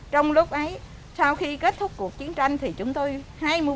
trong lúc ấy sau khi kết thúc cuộc chiến tranh thì chúng tôi hai mươi bốn chị đã ngã xuống